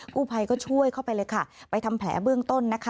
กู้ภัยก็ช่วยเข้าไปเลยค่ะไปทำแผลเบื้องต้นนะคะ